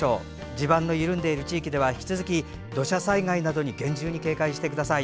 地盤の緩んでいる地域では引き続き土砂災害などに厳重に警戒してください。